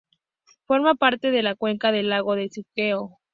Forma parte de la cuenca del lago de Cuitzeo.